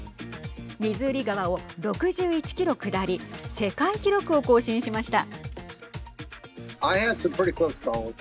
ミズーリ川を６１キロ下り世界記録を更新しました。